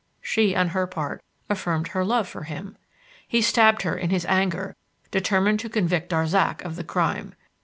She, on her part, affirmed her love for him. He stabbed her in his anger, determined to convict Darzac of the crime.